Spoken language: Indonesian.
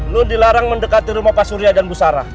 lu dilarang mendekati rumah pak surya dan bu sara